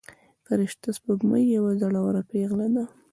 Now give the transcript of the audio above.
فرشته سپوږمۍ یوه زړوره پيغله ده.